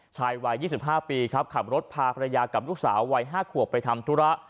วัย๒๕ปีครับขับรถพาภรรยากับลูกสาววัย๕ขวบไปทำธุระ